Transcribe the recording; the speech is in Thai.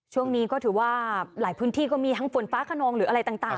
ช่วงนี้ก็ถือว่าหลายพื้นที่ก็มีทั้งฝนฟ้าขนองหรืออะไรต่าง